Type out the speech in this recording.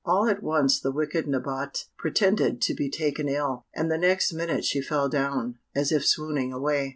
All at once the wicked Nabote pretended to be taken ill, and the next minute she fell down, as if swooning away.